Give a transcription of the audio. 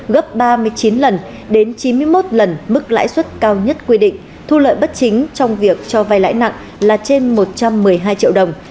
gấp ba mươi chín lần đến chín mươi một lần mức lãi suất cao nhất quy định thu lợi bất chính trong việc cho vay lãi nặng là trên một trăm một mươi hai triệu đồng